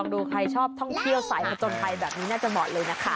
ดูใครชอบท่องเที่ยวสายผจญภัยแบบนี้น่าจะเหมาะเลยนะคะ